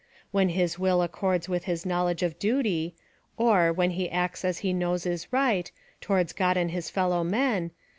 When his will accords with his knowledge of duty ; or, waen he acts as he knows is right, towards God and his fellow men.